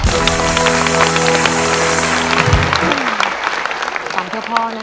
ขอบคุณพ่อนะครับวันนี้